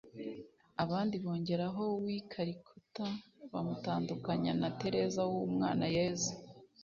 abandi bongeraho w’i Calicutta bamutandukanya na Tereza w’u Mwana Yezu